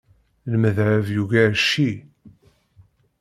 Lmedheb yugar cci.